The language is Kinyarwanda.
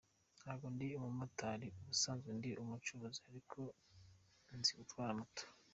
Ntago ndi umumotari , ubusanzwe ndi umucuruzi ariko nzi gutwara moto”.